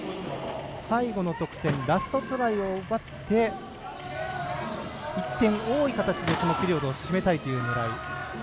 最後の得点ラストトライを奪って１点多い形でピリオドを締めたいという狙い。